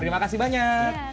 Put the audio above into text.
terima kasih banyak